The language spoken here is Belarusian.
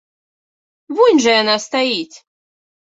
Вунь жа яна стаіць.